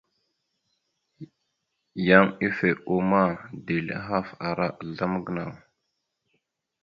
Yan ife uma, dezl ahaf ara azlam gənaw.